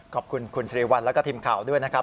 ขอบคุณคุณสิริวัลแล้วก็ทีมข่าวด้วยนะครับ